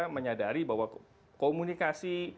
menyadari bahwa komunikasi